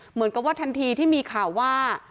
เหมือนกับว่าทันทีที่มีข่าวว่า